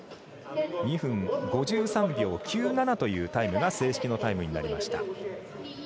２分５３秒９７というタイムが正式のタイムになりました。